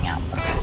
nyamperin juga nih